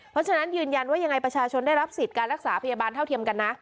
เพราะฉะนั้นยืนยันว่ายังไงประชาชนได้รับสิทธิ์การรักษาพยาบาลเท่าเทียมกันนะ